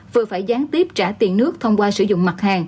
vừa phải gián tiếp trả tiền nước thông qua sử dụng nước